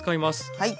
はい。